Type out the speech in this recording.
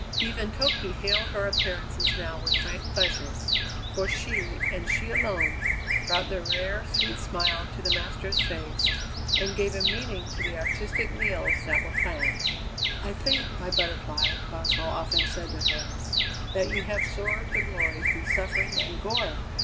Even Toky hailed her appearances now with frank pleasure, for she, and she alone, brought the rare, sweet smile to the master's face and gave a meaning to the artistic meals that were planned. "I think, my Butterfly," Boswell often said to her, "that you have soared to glory through suffering and gore!